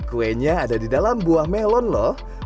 kuenya ada di dalam buah melon loh